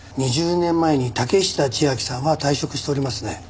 ２０年前に竹下千晶さんは退職しておりますね。